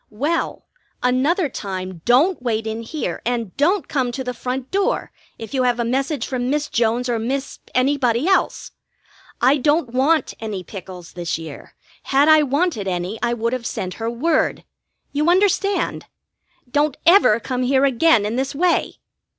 "Well, another time don't wait in here, and don't come to the front door if you have a message from Miss Jones or Miss Any body else. I don't want any pickles this year. Had I wanted any I would have sent her word. You understand? Don't ever come here again in this way!"